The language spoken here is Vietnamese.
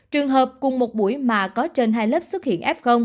trường hợp cùng một buổi mà có trên hai lớp xuất hiện f